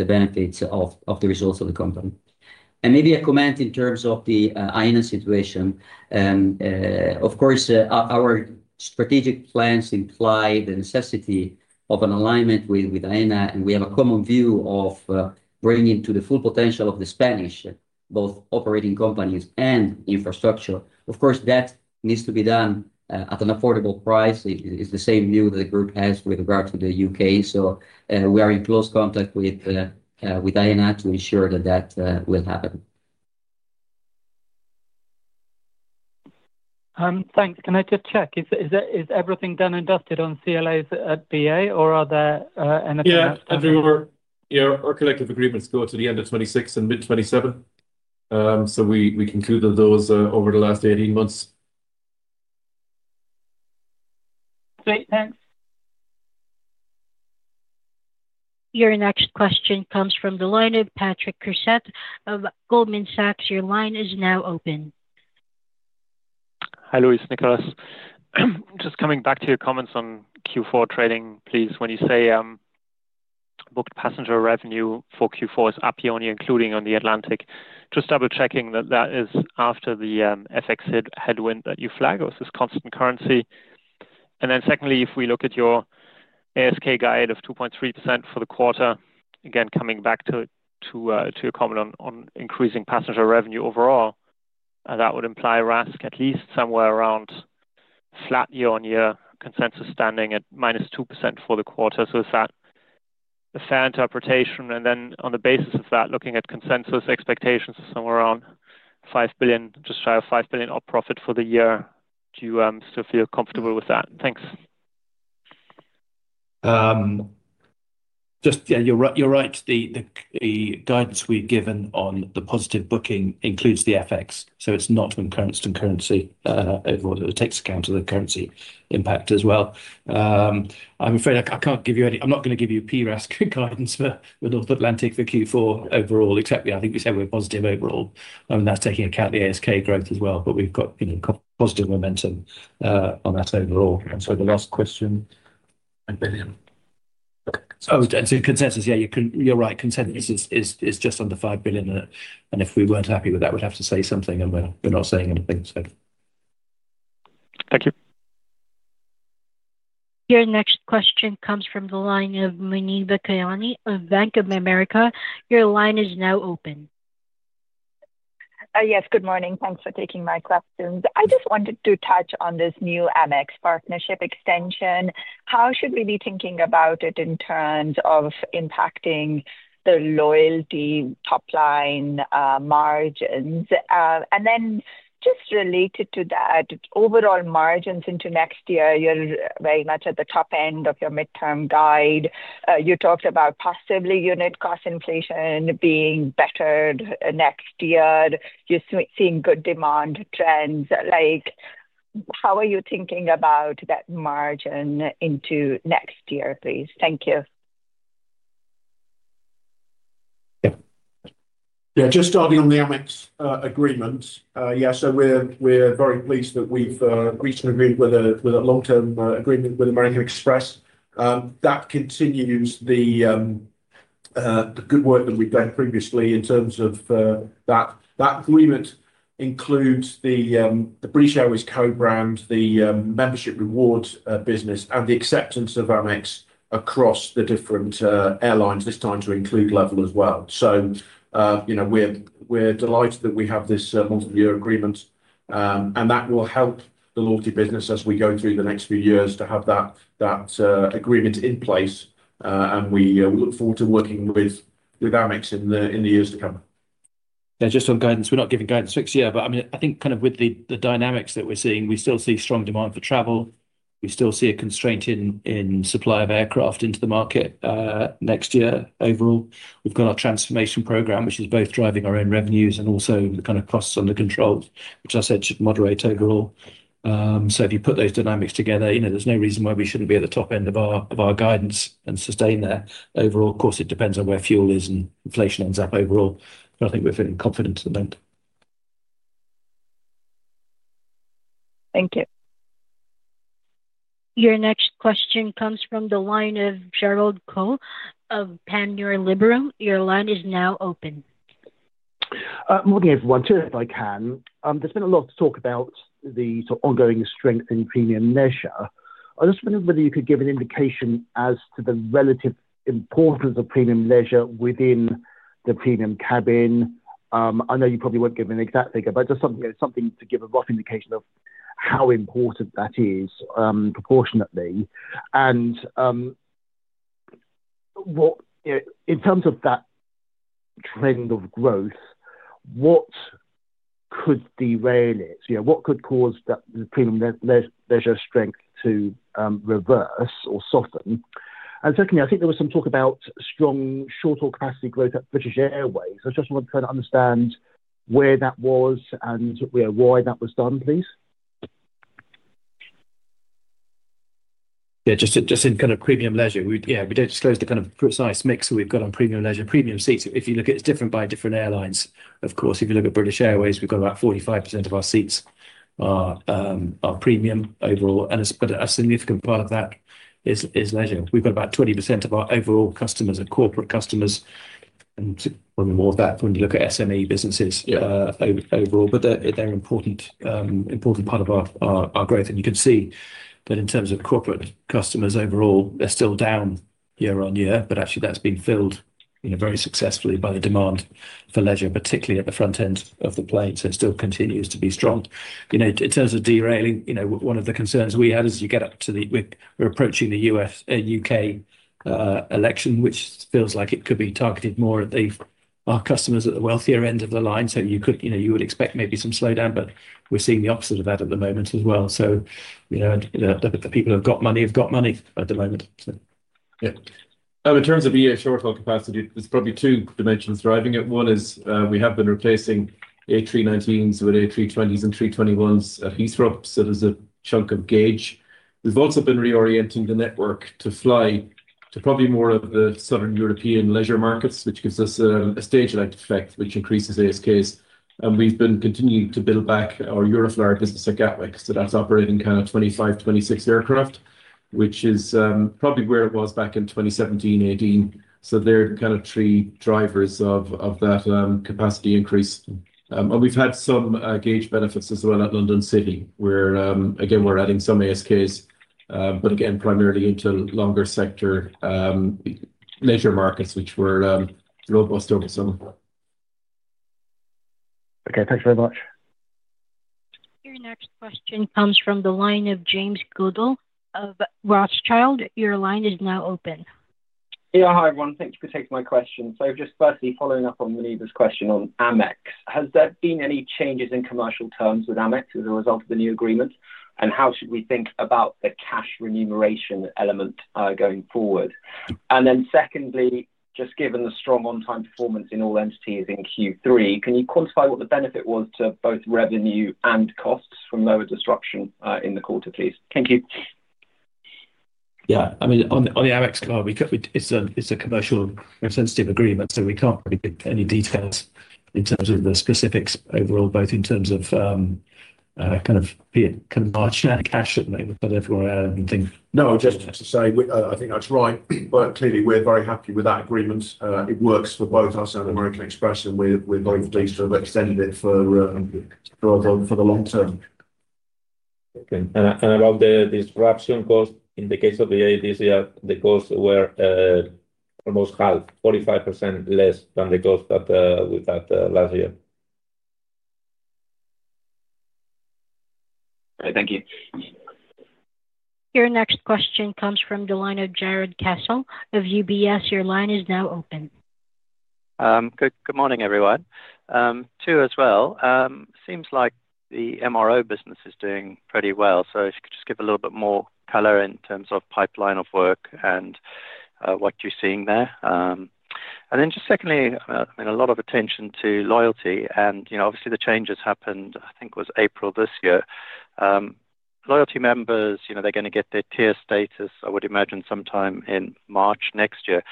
the benefits of the results of the company. Maybe a comment in terms of the Hainan situation. Of course, our strategic plans imply the necessity of an alignment with Hainan, and we have a common view of bringing to the full potential of the Spanish, both operating companies and infrastructure. Of course, that needs to be done at an affordable price. It is the same view that the group has with regard to the U.K. We are in close contact with Hainan to ensure that that will happen. Thanks. Can I just check? Is everything done and dusted on CLAs at BA, or is there anything else to add? Yeah, our collective agreements go to the end of 2026 and mid-2027. So we concluded those over the last 18 months. Great. Thanks. Your next question comes from the line of Patrick Creuset of Goldman Sachs. Your line is now open. Hi, Luis, Nicholas. Just coming back to your comments on Q4 trading, please. When you say booked passenger revenue for Q4 is up, you're only including on the Atlantic. Just double-checking that that is after the FX headwind that you flag or this constant currency. And then secondly, if we look at your ASK guide of 2.3% for the quarter, again, coming back to your comment on increasing passenger revenue overall, that would imply RASK at least somewhere around flat year-on-year consensus standing at -2% for the quarter. Is that a fair interpretation? On the basis of that, looking at consensus expectations of somewhere around 5 billion, just shy of 5 billion profit for the year, do you still feel comfortable with that? Thanks. Just, yeah, you're right. The guidance we've given on the positive booking includes the FX. It is not constant currency overall. It takes account of the currency impact as well. I'm afraid I can't give you any, I'm not going to give you a PRASK guidance for North Atlantic for Q4 overall, except I think we said we're positive overall. I mean, that's taking account of the ASK growth as well, but we've got positive momentum on that overall. And the last question. 5 billion. Oh, and so consensus, yeah, you're right. Consensus is just under 5 billion. And if we weren't happy with that, we'd have to say something, and we're not saying anything, so. Thank you. Your next question comes from the line of Muneeba Kayani of Bank of America. Your line is now open. Yes, good morning. Thanks for taking my questions. I just wanted to touch on this new AmEx partnership extension. How should we be thinking about it in terms of impacting the Loyalty top-line margins? Then just related to that, overall margins into next year, you're very much at the top end of your midterm guide. You talked about possibly unit cost inflation being better next year. You're seeing good demand trends. How are you thinking about that margin into next year, please? Thank you. Yeah. Just starting on the AmEx agreement, yeah, so we're very pleased that we've reached an agreement with a long-term agreement with American Express. That continues the good work that we've done previously in terms of that. That agreement includes the British Airways co-brand, the membership rewards business, and the acceptance of Amex across the different airlines, this time to include Level as well. We're delighted that we have this multi-year agreement, and that will help the Loyalty business as we go through the next few years to have that agreement in place. We look forward to working with AmEx in the years to come. Yeah, just on guidance, we're not giving guidance for next year, but I mean, I think kind of with the dynamics that we're seeing, we still see strong demand for travel. We still see a constraint in supply of aircraft into the market next year overall. We've got our transformation program, which is both driving our own revenues and also the kind of costs under control, which I said should moderate overall. If you put those dynamics together, there's no reason why we shouldn't be at the top end of our guidance and sustain that overall. Of course, it depends on where fuel is and inflation ends up overall. I think we're feeling confident at the moment. Thank you. Your next question comes from the line of Gerald Khoo of Panmure Liberum. Your line is now open. Morning, everyone. Two if I can. There's been a lot to talk about the ongoing strength in premium leisure. I just wondered whether you could give an indication as to the relative importance of premium leisure within the premium cabin. I know you probably won't give an exact figure, but just something to give a rough indication of how important that is proportionately. In terms of that trend of growth, what could derail it? What could cause the premium leisure strength to reverse or soften? Secondly, I think there was some talk about strong short-haul capacity growth at British Airways. I just want to kind of understand where that was and why that was done, please. Yeah, just in kind of premium leisure, yeah, we do not disclose the kind of precise mix that we have got on premium leisure. Premium seats, if you look at it, it is different by different airlines. Of course, if you look at British Airways, we have got about 45% of our seats are premium overall, but a significant part of that is leisure. We have got about 20% of our overall customers are corporate customers. And probably more of that when you look at SME businesses overall, but they are an important part of our growth. You can see that in terms of corporate customers overall, they are still down year-on-year, but actually that has been filled very successfully by the demand for leisure, particularly at the front end of the plane. It still continues to be strong. In terms of derailing, one of the concerns we had as you get up to the we're approaching the U.K. election, which feels like it could be targeted more at our customers at the wealthier end of the line. You would expect maybe some slowdown, but we're seeing the opposite of that at the moment as well. The people who've got money have got money at the moment. Yeah. In terms of short-haul capacity, there's probably two dimensions driving it. One is we have been replacing A319s with A320s and 321s at Heathrow. So there's a chunk of gauge. We've also been reorienting the network to fly to probably more of the Southern European leisure markets, which gives us a stage-like effect, which increases ASKs. We've been continuing to build back our Euroflyer business at Gatwick. That is operating kind of 25-26 aircraft, which is probably where it was back in 2017, 2018. They are kind of three drivers of that capacity increase. We've had some gauge benefits as well at London City, where, again, we're adding some ASKs, but again, primarily into longer sector leisure markets, which were robust over summer. Okay, thanks very much. Your next question comes from the line of James Goodall of Rothschild. Your line is now open. Yeah, hi everyone. Thank you for taking my question. Just firstly, following up on Muneeba's question on AmEx, has there been any changes in commercial terms with AmEx as a result of the new agreement? How should we think about the cash remuneration element going forward? Secondly, just given the strong on-time performance in all entities in Q3, can you quantify what the benefit was to both revenue and costs from lower disruption in the quarter, please? Thank you. Yeah. I mean, on the AmEx card, it's a commercially sensitive agreement, so we can't really give any details in terms of the specifics overall, both in terms of kind of marginal cash at the moment for everyone and things. No, just to say, I think that's right. Clearly, we're very happy with that agreement. It works for both us and American Express, and we're very pleased to have extended it for the long term. Okay. Around the disruption cost, in the case of the AEDs, the costs were almost half, 45% less than the cost that we had last year. Thank you. Your next question comes from the line of Jarrod Castle of UBS. Your line is now open. Good morning, everyone. Too as well. Seems like the MRO business is doing pretty well. If you could just give a little bit more color in terms of pipeline of work and what you're seeing there. Just secondly, I mean, a lot of attention to Loyalty. Obviously, the changes happened, I think it was April this year. Loyalty members, they're going to get their tier status, I would imagine, sometime in March next year.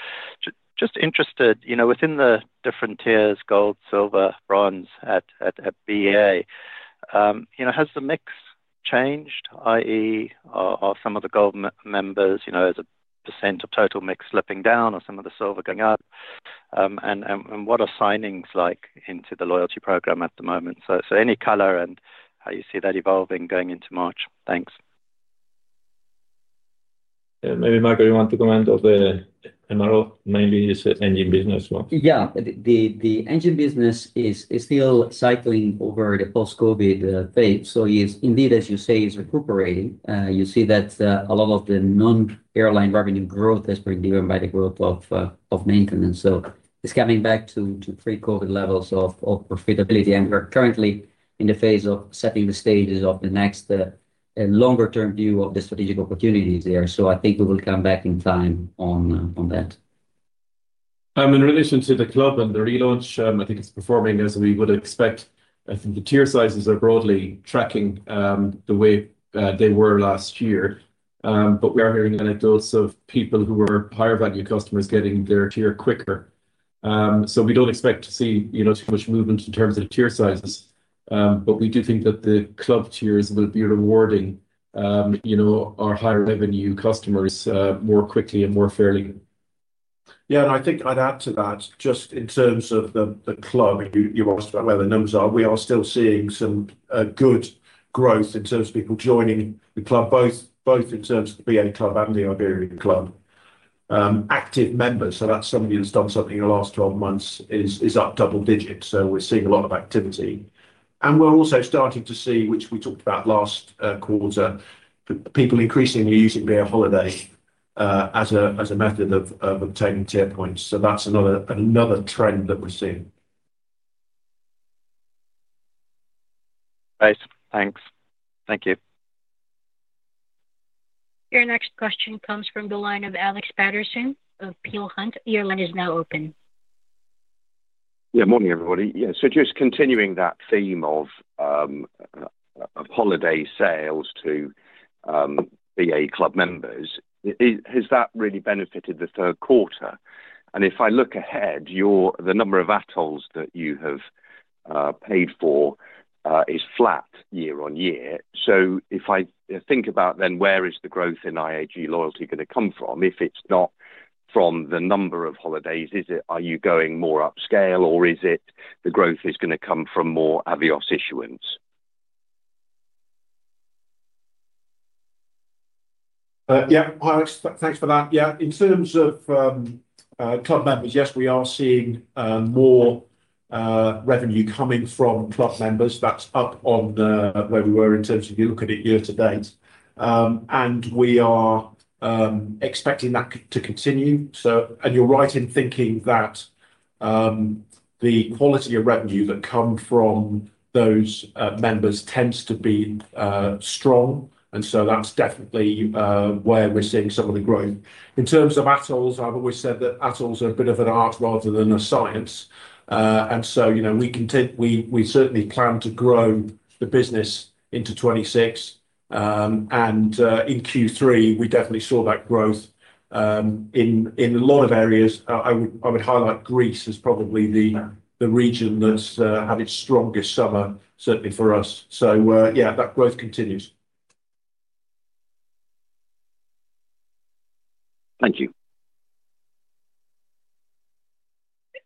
Just interested, within the different tiers, gold, silver, bronze at BA, has the mix changed, i.e., are some of the gold members as a percent of total mix slipping down or some of the silver going up? What are signings like into the Loyalty program at the moment? Any color and how you see that evolving going into March? Thanks. Maybe Marco, you want to comment on the MRO, mainly the engine business? Yeah. The engine business is still cycling over the post-COVID phase. So indeed, as you say, it's recuperating. You see that a lot of the non-airline revenue growth has been driven by the growth of maintenance. So it's coming back to pre-COVID levels of profitability. And we're currently in the phase of setting the stages of the next longer-term view of the strategic opportunities there. So I think we will come back in time on that. In relation to the club and the relaunch, I think it's performing as we would expect. I think the tier sizes are broadly tracking the way they were last year. We are hearing anecdotes of people who are higher-value customers getting their tier quicker. We do not expect to see too much movement in terms of tier sizes. We do think that the club tiers will be rewarding our higher-revenue customers more quickly and more fairly. Yeah. I think I'd add to that, just in terms of the club, you asked about where the numbers are. We are still seeing some good growth in terms of people joining the club, both in terms of the BA club and the Iberia club. Active members, so that's somebody who's done something in the last 12 months, is up double-digit. We're seeing a lot of activity. We're also starting to see, which we talked about last quarter, people increasingly using BA Holidays as a method of obtaining tier points. That's another trend that we're seeing. Great. Thanks. Thank you. Your next question comes from the line of Alex Paterson of Peel Hunt, your line is now open. Yeah. Morning, everybody. Yeah. Just continuing that theme of holiday sales to BA club members, has that really benefited the third quarter? If I look ahead, the number of ATOLs that you have paid for is flat year on year. If I think about then where is the growth in IAG Loyalty going to come from? If it's not from the number of holidays, are you going more upscale, or is the growth going to come from more Avios issuance? Yeah. Thanks for that. Yeah. In terms of club members, yes, we are seeing more revenue coming from club members. That's up on where we were in terms of if you look at it year to date. We are expecting that to continue. You're right in thinking that the quality of revenue that comes from those members tends to be strong. That's definitely where we're seeing some of the growth. In terms of ATOLs, I've always said that ATOLs are a bit of an art rather than a science. We certainly plan to grow the business into 2026. In Q3, we definitely saw that growth in a lot of areas. I would highlight Greece as probably the region that's had its strongest summer, certainly for us. Yeah, that growth continues. Thank you.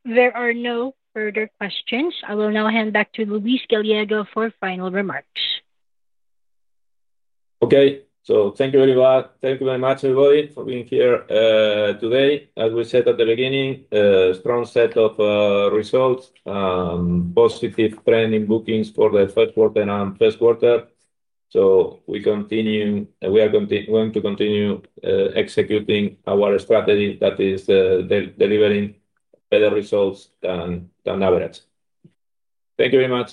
There are no further questions. I will now hand back to Luis Gallego for final remarks. Okay. Thank you very much, everybody, for being here today. As we said at the beginning, a strong set of results, positive trend in bookings for the first quarter and first quarter. We are going to continue executing our strategy that is delivering better results than average. Thank you very much.